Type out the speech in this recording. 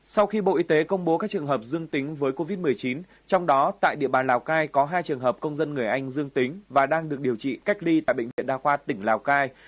sau khi bộ y tế công bố các trường hợp dương tính với covid một mươi chín trong đó tại địa bàn lào cai có hai trường hợp công dân người anh dương tính và đang được điều trị cách ly tại bệnh viện đa khoa tỉnh lào cai